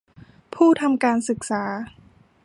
ผู้ทำการศึกษา